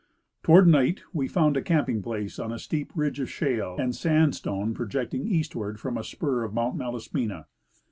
Toward night we found a camping place on a steep ridge of shale and sandstone projecting eastward from a spur of Mount Malaspina.